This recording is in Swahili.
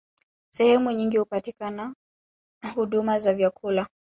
Sehemu nyingi hupatikana huduma za vyakula